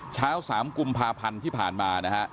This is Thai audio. เช้า๓กุมภาพันธ์ที่ผ่านมานะฮะ